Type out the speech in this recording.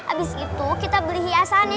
abis itu kita beli hiasannya